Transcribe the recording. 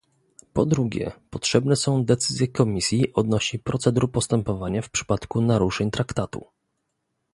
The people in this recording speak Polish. Po drugie potrzebne są decyzje Komisji odnośnie procedur postępowania w przypadku naruszeń Traktatu